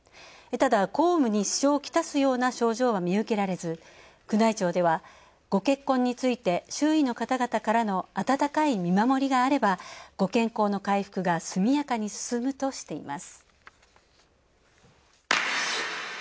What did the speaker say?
ただ、公務に支障をきたすような症状は見受けられず宮内庁ではご結婚について周囲の方々からの温かい見守りがあれば、ご健康の回復が速やかに進むとしています。